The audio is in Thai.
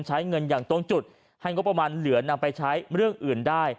ใช้เงินอย่างตรงจุดให้งบประมาณเหลือนำไปใช้เรื่องอื่นได้